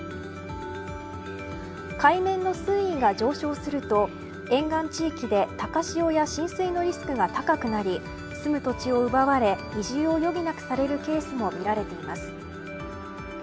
海面の水位が上昇すると沿岸地域で高潮や浸水のリスクが高くなり住む土地を奪われ、移住を余儀なくされるケースもみられます。